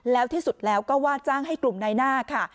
แล้วที่สุดแล้วก็ว่าจ้างให้กลุ่มในหน้าค่ะ